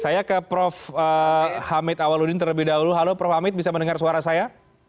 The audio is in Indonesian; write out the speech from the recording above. saya ke prof hamid awaludin terlebih dahulu halo prof hamid bisa mendengar suara saya